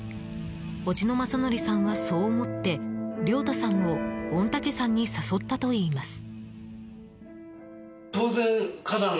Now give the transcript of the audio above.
おじの正則さんは、そう思って亮太さんを御嶽山に誘ったといいます。